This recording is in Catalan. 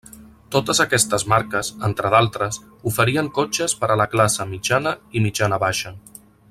Totes aquestes marques, entre d'altres, oferien cotxes per a la classe mitjana i mitjana-baixa.